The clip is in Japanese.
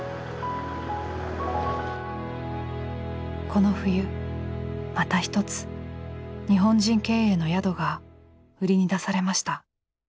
この冬また一つ日本人経営の宿が売りに出されました。